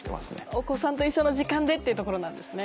お子さんと一緒の時間でっていうところなんですね。